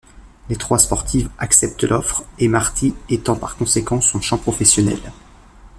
Les trois sportifs acceptent l'offre, et Marty étend par conséquent son champ professionnel.